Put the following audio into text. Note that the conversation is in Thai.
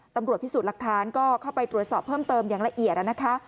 ตำรวจพิสูจน์หลักฐานก็เข้าไปตรวจสอบเพิ่มเติมอย่างละเอียดนะคะ